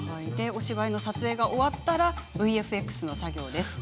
お芝居の撮影が終わってからＶＦＸの作業です。